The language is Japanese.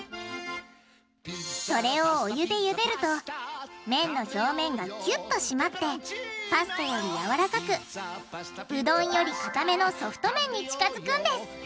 それをお湯で茹でると麺の表面がキュッとしまってパスタよりやわらかくうどんよりかためのソフト麺に近づくんです！